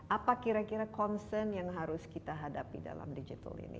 apa kira kira concern yang harus kita hadapi dalam digital ini